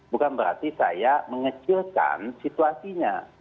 bukan berarti saya mengecilkan situasinya